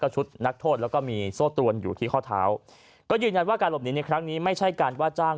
ชุดนักโทษแล้วก็มีโซ่ตรวนอยู่ที่ข้อเท้าก็ยืนยันว่าการหลบหนีในครั้งนี้ไม่ใช่การว่าจ้าง